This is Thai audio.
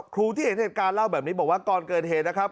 ครูที่เห็นเหตุการณ์เล่าแบบนี้บอกว่าก่อนเกิดเหตุนะครับ